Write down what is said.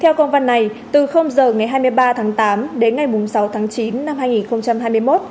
theo công văn này từ giờ ngày hai mươi ba tháng tám đến ngày sáu tháng chín năm hai nghìn hai mươi một